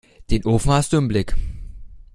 Den Ofen hast du im Blick?